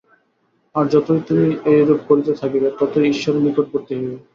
আর যতই তুমি এইরূপ করিতে থাকিবে, ততই ঈশ্বরের নিকটবর্তী হইবে।